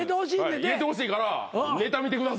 入れてほしいからネタ見てください。